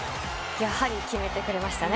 やはり決めてくれましたね